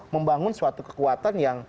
membangun suatu kekuatan